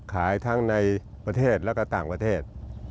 ขายทั้งในประเทศและก็ต่างประเทศ